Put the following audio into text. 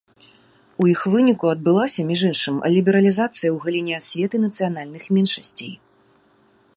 У іх выніку адбылася між іншым лібералізацыя ў галіне асветы нацыянальных меншасцей.